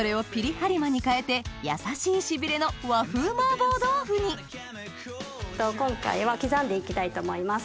はりまに変えてやさしいシビれの和風麻婆豆腐に今回は刻んで行きたいと思います。